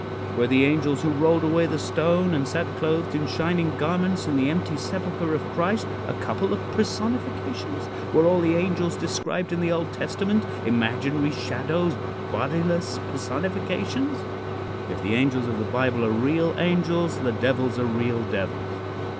Were the angels who rolled away the stone and sat clothed in shining garments in the empty sepulcher of Christ a couple of personifications? Were all the angels described in the Old Testament imaginary shadows bodiless personifications? If the angels of the Bible are real angels, the devils are real devils.